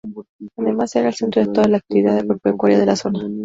Además era el centro de toda la actividad agropecuaria de la zona.